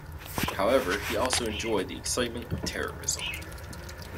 However, he also enjoyed the excitement of terrorism.